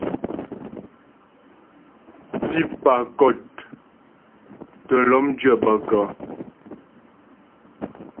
Pípà kɔ̂t tə́ lɔ́mdyə́ bə kə́ ?